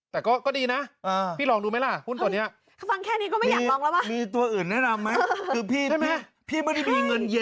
แต่ก็ดีนะพี่ลองดูไหมล่ะหุ้นตัวนี้